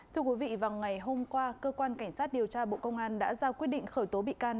thưa quý vị vào ngày hôm qua cơ quan cảnh sát điều tra bộ công an đã ra quyết định khởi tố bị can